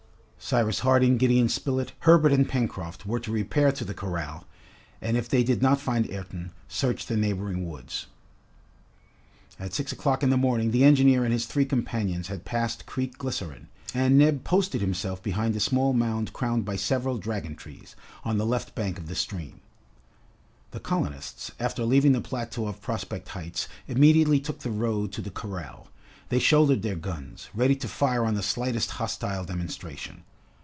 Cyrus Harding, Gideon Spilett, Herbert, and Pencroft were to repair to the corral, and if they did not find Ayrton, search the neighboring woods. At six o'clock in the morning, the engineer and his three companions had passed Creek Glycerine, and Neb posted himself behind a small mound crowned by several dragon trees, on the left bank of the stream. The colonists, after leaving the plateau of Prospect Heights, immediately took the road to the corral. They shouldered their guns, ready to fire on the slightest hostile demonstration.